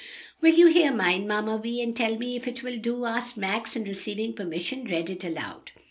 "Will you hear mine, Mamma Vi, and tell me if it will do?" asked Max; and receiving permission read it aloud.